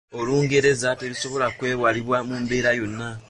Olungereza terusobola kwewalibwa mu mbeera yonna.